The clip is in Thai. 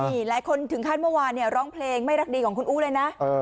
นี่หลายคนถึงขั้นเมื่อวานเนี่ยร้องเพลงไม่รักดีของคุณอู้เลยนะ